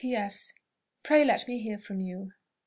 "P. S. Pray let me hear from you."